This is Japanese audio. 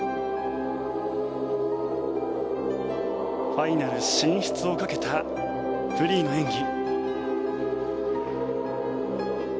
ファイナル進出をかけたフリーの演技。